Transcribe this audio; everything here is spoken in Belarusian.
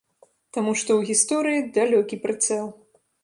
Таму што ў гісторыі далёкі прыцэл.